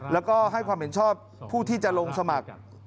แล้วก็ให้ความเห็นชอบผู้ที่จะลงสมัคร